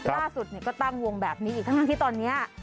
ล่าสุดก็ตั้งวงแบบนี้อีกทั้งที่ตอนนี้